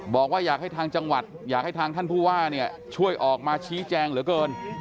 บอกว่าอยากให้ทางจังหวัดอยากให้ทางท่านผู้ว่าเนี่ยช่วยออกมาชี้แจงเหลือเกิน